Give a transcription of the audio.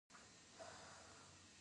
خو خلک زغم لري.